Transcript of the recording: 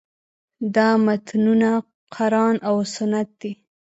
دا متنونه قران او سنت دي.